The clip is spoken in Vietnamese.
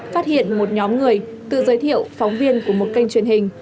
phát hiện một nhóm người tự giới thiệu phóng viên của một kênh truyền hình